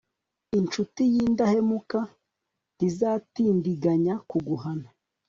incuti y'indahemuka ntizatindiganya kuguhana